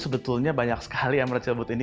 sebetulnya banyak sekali emerald celebut ini